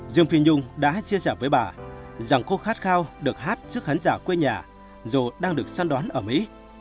dương phi nhung đã chia sẻ với bà rằng cô khát khao được hát trước khán giả quê nhà dù đang được săn đoán ở mỹ